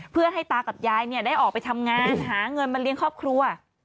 เพื่อให้ตากับยายได้ออกไปทำงานหาเงินมาเลี้ยงครอบครัว